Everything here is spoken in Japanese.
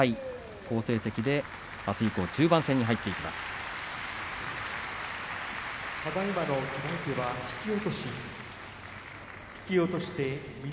好成績で、あす以降中盤戦に入っていきます。